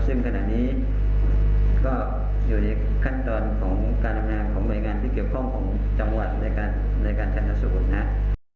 ซึ่งขณะนี้ก็อยู่ในขั้นตอนของการทำงานของหน่วยงานที่เกี่ยวข้องของจังหวัดในการทันสูตรนะครับ